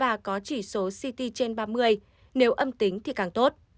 và có chỉ số ct trên ba mươi nếu âm tính thì càng tốt